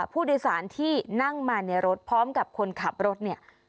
ผู้โดยสารที่นั่งมาในรถพร้อมกับคนขับรถเนี่ย